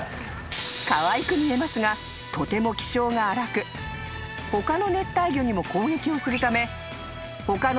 ［かわいく見えますがとても気性が荒く他の熱帯魚にも攻撃をするため］